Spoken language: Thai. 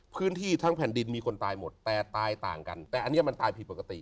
พื้นที่ทั้งแผ่นดินมีคนตายหมดแต่ตายต่างกันแต่อันนี้มันตายผิดปกติ